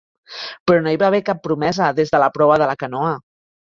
Però no hi va haver cap promesa des de la proa de la canoa.